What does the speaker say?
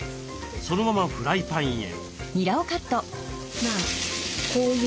そのままフライパンへ。